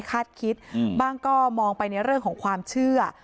คาดคิดบ้างก็มองไปในเรื่องของความเชื่อ